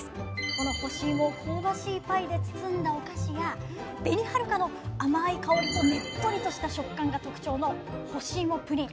この干しいもを香ばしいパイで包んだお菓子や紅はるかの甘い香りとねっとりとした食感が特長の干しいもプリン。